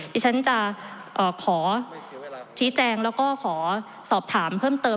ที่ฉันจะขอชี้แจงแล้วก็ขอสอบถามเพิ่มเติม